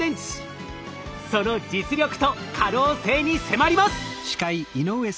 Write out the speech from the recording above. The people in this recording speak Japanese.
その実力と可能性に迫ります！